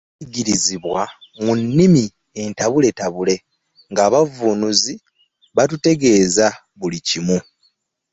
Twayigirizibwanga mu nnimi entabuletabule ng’abavvuunuzi batutegeeza buli kimu.